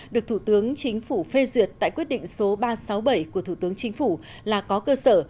được thủ tướng chính phủ phê duyệt tại quyết định số ba trăm sáu mươi bảy của thủ tướng chính phủ là có cơ sở